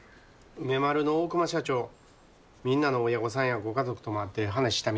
梅丸の大熊社長みんなの親御さんやご家族とも会って話したみたいやけど。